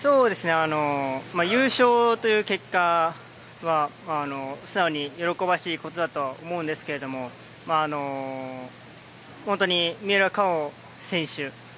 優勝という結果は素直に喜ばしいことだとは思うんですけど本当に三浦佳生選手